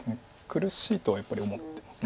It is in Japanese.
苦しいとはやっぱり思ってます